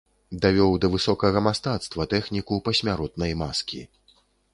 Давёў да высокага мастацтва тэхніку пасмяротнай маскі.